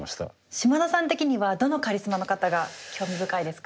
嶋田さん的にはどのカリスマの方が興味深いですか？